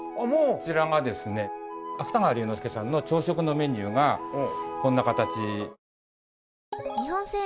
こちらがですね芥川龍之介さんの朝食のメニューがこんな形。